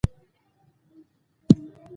ايمان د هغو ټولو معجزو او کراماتو بنسټ دی.